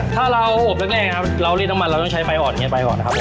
ถ้าเราอบแรกเรารีดน้ำมันเราต้องใช้ไฟอ่อนครับ